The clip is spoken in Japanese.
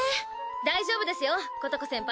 大丈夫ですよことこ先輩。